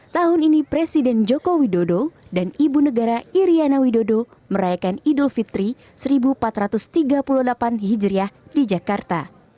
tahun ini presiden joko widodo dan ibu negara iryana widodo merayakan idul fitri seribu empat ratus tiga puluh delapan hijriah di jakarta